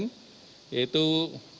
yaitu bantuan untuk pelaku umkm